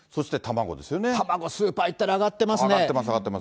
卵、スーパー行ったら上がっ上がってます。